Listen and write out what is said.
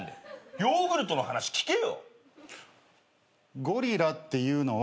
ヨーグルトの話聞けよ！